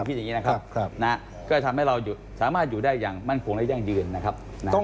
คิดอย่างนี้นะครับก็ทำให้เราสามารถอยู่ได้อย่างมั่นคงและยั่งยืนนะครับ